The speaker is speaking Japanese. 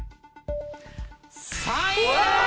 ３位です！